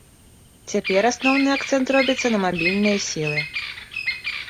Цяпер асноўны акцэнт робіцца на мабільныя сілы.